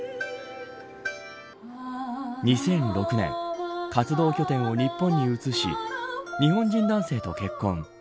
２００６年活動拠点を日本に移し日本人男性と結婚。